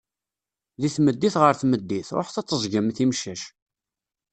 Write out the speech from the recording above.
Deg tmeddit ɣer tmeddit, ruḥet ad teẓẓgem timcac.